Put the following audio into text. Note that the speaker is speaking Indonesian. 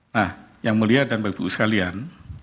nah yang mulia dan baik baik sekalian